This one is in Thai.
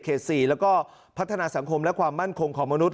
๔แล้วก็พัฒนาสังคมและความมั่นคงของมนุษย